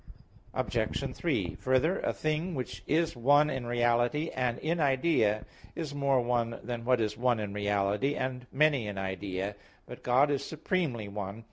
Obj. 3: Further, a thing which is one in reality and in idea, is more one than what is one in reality and many in idea. But God is supremely one.